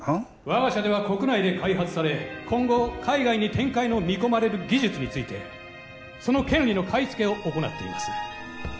我が社では国内で開発され今後海外に展開の見込まれる技術についてその権利の買い付けを行っています